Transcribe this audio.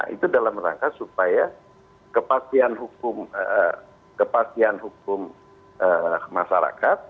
itu dalam rangka supaya kepastian hukum masyarakat